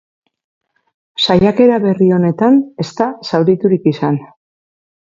Saiakera berri honetan ez da zauriturik izan.